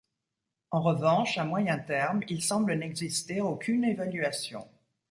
En revanche, à moyen terme, il semble n'exister aucune évaluation.